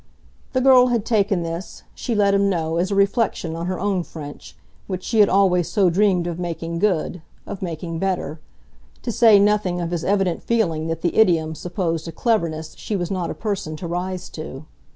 The girl had taken this, she let him know, as a reflection on her own French, which she had always so dreamed of making good, of making better; to say nothing of his evident feeling that the idiom supposed a cleverness she was not a person to rise to.